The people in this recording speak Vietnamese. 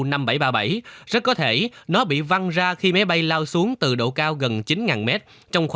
thì rất có thể nó bị văng ra khi máy bay lao xuống